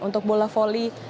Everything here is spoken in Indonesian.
untuk bola voli